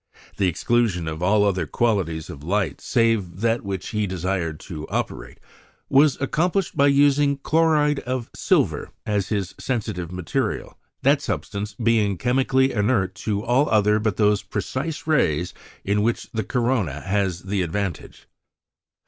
The exclusion of all other qualities of light save that with which he desired to operate, was accomplished by using chloride of silver as his sensitive material, that substance being chemically inert to all other but those precise rays in which the corona has the advantage.